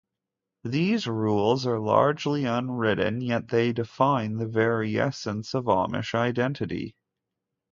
These rules are largely unwritten, yet they define the very essence of Amish identity.